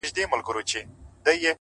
هره هڅه د بریا لور ته تمایل دی.!